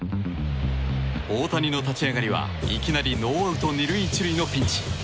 大谷の立ち上がりはいきなりノーアウト２塁１塁のピンチ。